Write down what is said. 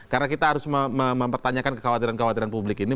karena kita harus mempertanyakan kekhawatiran kekhawatiran publik ini